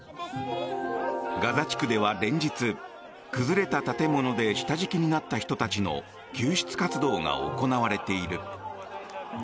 ガザ地区では連日、崩れた建物で下敷きになった人たちの救出活動が行われている。